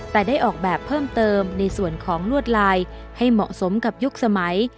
แต่ได้ออกแบบเพิ่มเติมในส่วนของลวดลายให้เหมาะสมกับยุคสมัย